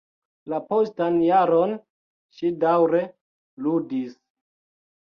La postan jaron, ŝi daŭre ludis.